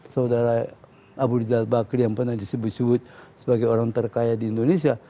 saudara abu rizal bakri yang pernah disebut sebut sebagai orang terkaya di indonesia